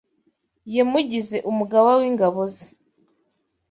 Yamugize umugaba w’ingabo ze